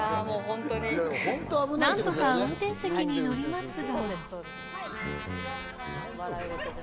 何とか運転席に乗り込みますが。